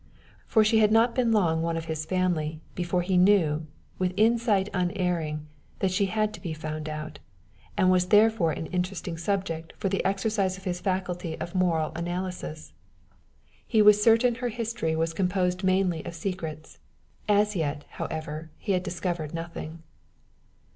For she had not long been one of his family, before he knew, with insight unerring, that she had to be found out, and was therefore an interesting subject for the exercise of his faculty of moral analysis. He was certain her history was composed mainly of secrets. As yet, however, he had discovered nothing.